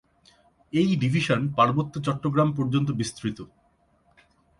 এই ডিভিশন পার্বত্য চট্টগ্রাম পর্যন্ত বিস্তৃত।